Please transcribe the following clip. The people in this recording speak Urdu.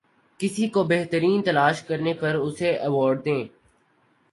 کسی کو بہترین تلاش کرنے پر اسے ایوارڈ دیں